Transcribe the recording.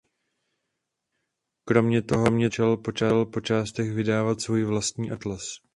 Kromě toho začal po částech vydávat svůj vlastní atlas.